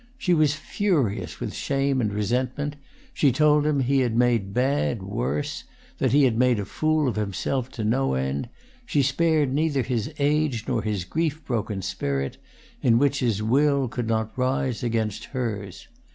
She was furious with shame and resentment; she told him he had made bad worse, that he had made a fool of himself to no end; she spared neither his age nor his grief broken spirit, in which his will could not rise against hers.